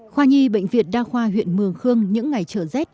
khoa nhi bệnh viện đa khoa huyện mường khương những ngày chở z